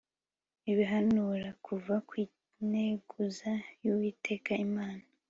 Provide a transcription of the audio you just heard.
ibihanura kuza kw integuza y'uwiteka imana